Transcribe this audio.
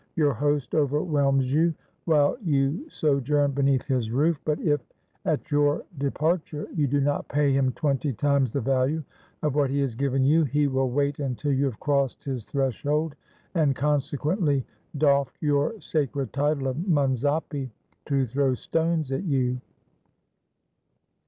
Your host overwhelms you while you sojourn beneath his roof; but if at your departure you do not pay him twenty times the value of what he has given you, he will wait until you have crossed his threshold, and consequently doffed your sacred title of monzapi, to throw stones at you.